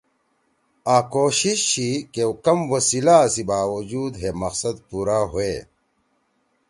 آں کوشش چھی کہ کم وسیّلا سی باوجود ہے مقصد پُورا ہوئے۔